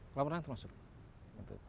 kolam renang termasuk